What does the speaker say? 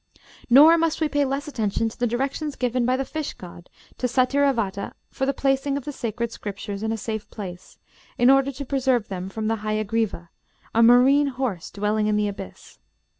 Nor must we pay less attention to the directions given by the fish god to Satyravata for the placing of the sacred Scriptures in a safe place, in order to preserve them from Hayagriva, a marine horse dwelling in the abyss....